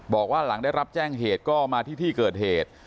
บอกว่าหลังได้รับแจ้งเหตุก็มาที่ที่เกิดเหตุ